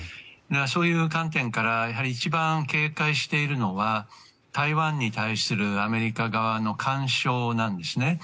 そういう観点からやはり一番警戒しているのは台湾に対するアメリカ側の干渉なんですね。